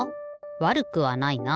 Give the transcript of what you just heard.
わるくはないな。